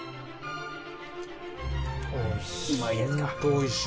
おいしい。